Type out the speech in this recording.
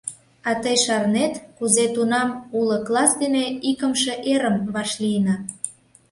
А тый шарнет, кузе тунам уло класс дене икымше эрым вашлийна?..